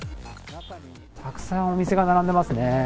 たくさんお店が並んでますね。